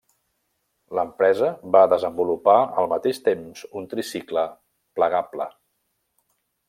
L'empresa va desenvolupar al mateix temps un tricicle plegable.